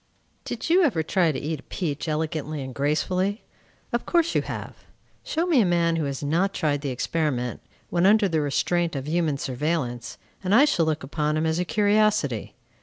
Did you ever try to eat a peach elegantly and gracefully? Of course you have. Show me a man who has not tried the experiment, when under the restraint of human surveillance, and I shall look upon him as a curiosity.